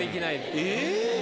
え？